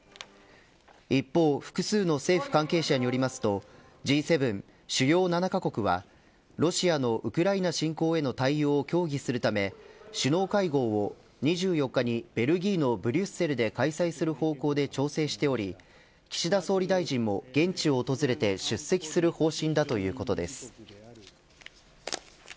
一方、複数の政府関係者によりますとＧ７、主要７カ国はロシアのウクライナ侵攻への対応を協議するため首脳会合を２４日にベルギーのブリュッセルで開催する方向で調整をしており岸田総理大臣も現地を訪れて出席する方針だということです。